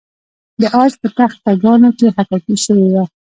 د عاج په تخته ګانو کې حکاکي شوې وه